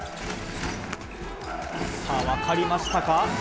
分かりましたか。